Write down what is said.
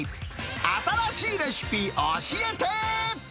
新しいレシピ教えて！